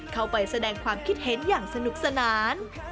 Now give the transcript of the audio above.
เข้าไปแสดงความคิดเห็นอย่างสนุกสนาน